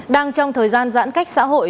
đang trong thời gian giãn cách xã hội